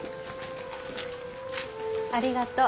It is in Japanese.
ありがとう。